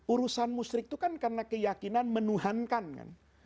urusan musrik itu kan karena keyakinan menuhankan kan